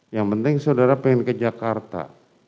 yang penting saudara pengen ke jakarta